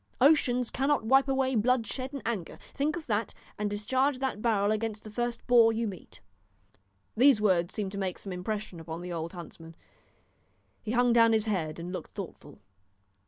Oceans cannot wipe away blood shed in anger. Think of that, and discharge that barrel against the first boar you meet." These words seemed to make some impression upon the old huntsman; he hung down his head and looked thoughtful.